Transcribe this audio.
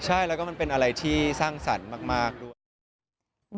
ใช่แล้วก็มันเป็นอะไรที่สร้างสรรค์มากด้วยครับ